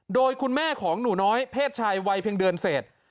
โดยคุณแม่ของหนูน้อยเพศชายวัยเพียงเดือนเศษ